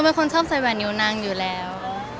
เป็นคนชอบใส่แหวนนิ้วนางอยู่แล้ว